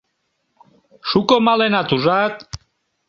Шуко маленат, ужат?